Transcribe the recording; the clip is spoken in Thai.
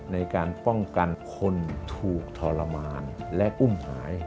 ในการป้องกันคนถูกทรมานและอุ้มหาย